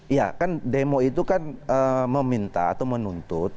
iya kan demo itu kan meminta atau menuntut